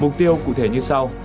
mục tiêu cụ thể như sau